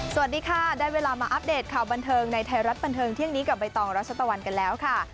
สวัสดีค่ะได้เวลามาอัปเดตข่าวบันเทิงในไทยรัฐบันเทิงเที่ยงนี้กับใบตองรัชตะวันกันแล้วค่ะ